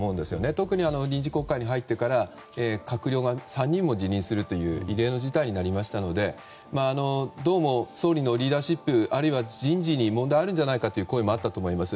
特に臨時国会に入ってから閣僚が３人も辞任するという異例の事態になりましたのでどうも、総理のリーダーシップあるいは人事に問題があるんじゃないかという声があったと思います。